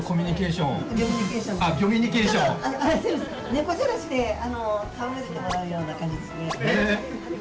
猫じゃらしで戯れてもらうような感じですね。